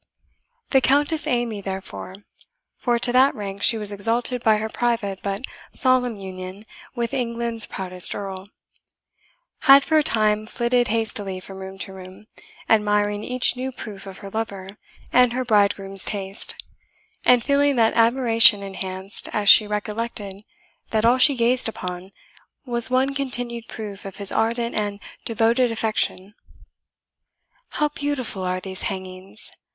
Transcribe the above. The Countess Amy, therefore for to that rank she was exalted by her private but solemn union with England's proudest Earl had for a time flitted hastily from room to room, admiring each new proof of her lover and her bridegroom's taste, and feeling that admiration enhanced as she recollected that all she gazed upon was one continued proof of his ardent and devoted affection. "How beautiful are these hangings!